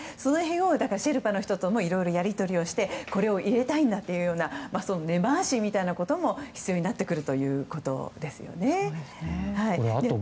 だから、シェルパの人たちといろいろやり取りをしてこれを入れたいんだという根回しみたいなことも必要になってくるということですね。